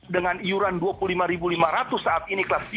dengan iuran dua puluh lima lima ratus saat ini kelas tiga